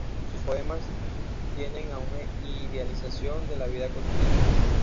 Sus poemas tienden a una idealización de la vida cotidiana.